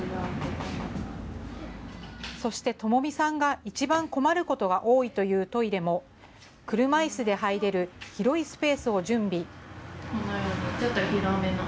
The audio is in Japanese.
そして智美さんが一番困ることが多いというトイレも、車いすで入れる広いスペースを準備。